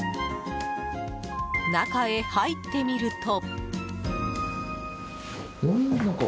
中へ入ってみると。